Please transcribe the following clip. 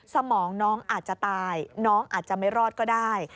สมองน้องอาจจะตายน้องอาจจะไม่รอดก็ได้